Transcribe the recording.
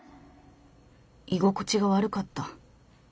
居心地が悪かった。